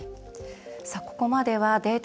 ここまでデート